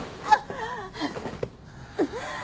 あっ。